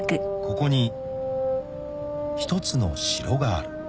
［ここに一つの城がある］